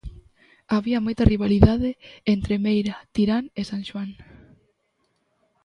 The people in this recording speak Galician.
Había moita rivalidade entre Meira, Tirán e San Xoán.